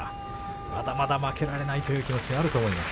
まだまだ負けられないという気持ちがあると思います。